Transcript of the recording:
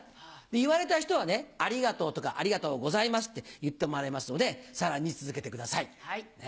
言われた人は「ありがとう」とか「ありがとうございます」って言ってもらいますのでさらに続けてください。